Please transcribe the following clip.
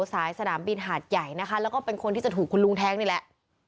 สนามบินหาดใหญ่นะคะแล้วก็เป็นคนที่จะถูกคุณลุงแท้งนี่แหละ